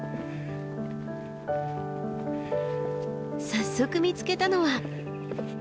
早速見つけたのは。